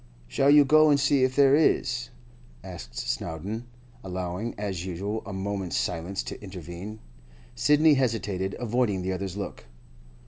'Shall you go and see if there is?' asked Snowdon, allowing, as usual, a moment's silence to intervene. Sidney hesitated, avoiding the other's look.